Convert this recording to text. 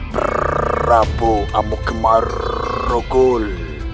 berapa amuk marukul